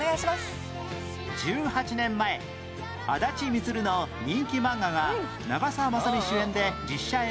１８年前あだち充の人気漫画が長澤まさみ主演で実写映画化